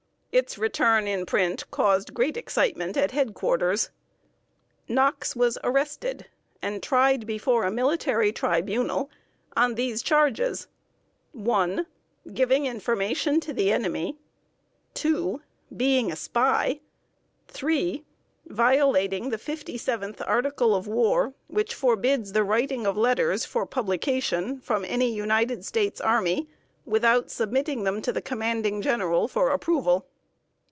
Its return in print caused great excitement at head quarters. Knox was arrested, and tried before a military tribunal on these charges: I. Giving information to the enemy. II. Being a spy. III. Violating the fifty seventh Article of War, which forbids the writing of letters for publication from any United States army without submitting them to the commanding general for approval.